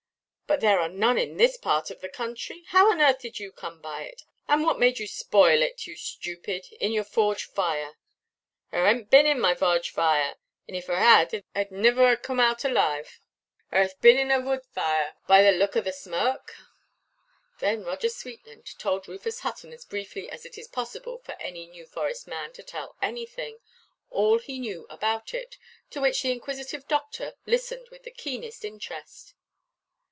But there are none in this part of the country. How on earth did you come by it? And what made you spoil it, you stupid, in your forge–fire?" "Her hanʼt a bin in my varge–vire. If her had, herʼd nivir a coom out alaive. Her hath bin in a wood vire by the look o' the smo–uk." Then Roger Sweetland told Rufus Hutton, as briefly as it is possible for any New Forest man to tell anything, all he knew about it; to which the inquisitive doctor listened with the keenest interest.